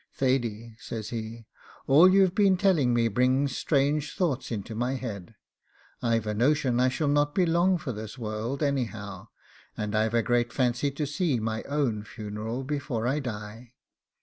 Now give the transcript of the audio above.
'Thady,' says he, 'all you've been telling me brings a strange thought into my head. I've a notion I shall not be long for this world anyhow, and I've a great fancy to see my own funeral afore I die.